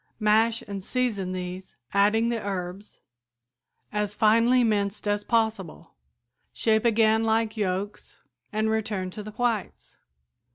Mash and season these, adding the herbs, as finely minced as possible. Shape again like yolks and return to the whites.